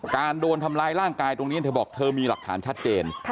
โดนทำร้ายร่างกายตรงนี้เธอบอกเธอมีหลักฐานชัดเจน